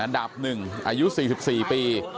ดาบหนึ่งอายุ๔๔ปี